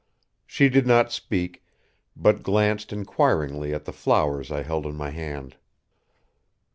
She did not speak, but glanced inquiringly at the flowers I held in my hand.